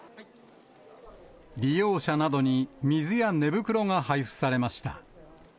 利用者などに水や寝袋が配布されました。